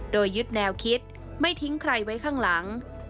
โดยยึดแนวคิดไม่ทิ้งใครไว้ข้างหลัง